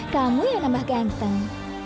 kamu yang nambah ganteng